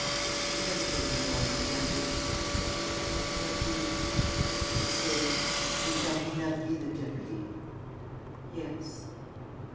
She hesitated a moment and answered: "Mergy." He exclaimed: "Victorien Mergy the deputy?" "Yes."